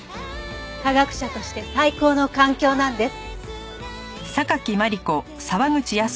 科学者として最高の環境なんです。